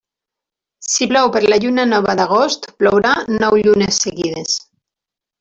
Si plou per la lluna nova d'agost, plourà nou llunes seguides.